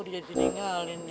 proses gua jadi tinggal ini